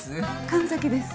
神崎です。